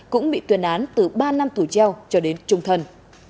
cũng bị tuyên án từ ba năm tù treo cho đến trung thân